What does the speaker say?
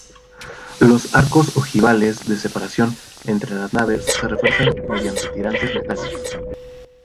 Los arcos ojivales de separación entre las naves se refuerzan mediante tirantes metálicos.